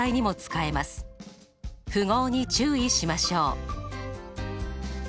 符号に注意しましょう。